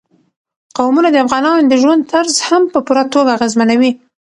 قومونه د افغانانو د ژوند طرز هم په پوره توګه اغېزمنوي.